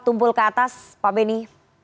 tumpul ke atas pak beni